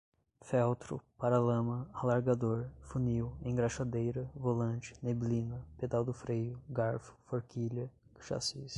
feltro, para-lama, alargador, funil, engraxadeira, volante, neblina, pedal do freio, garfo, forquilha, chassis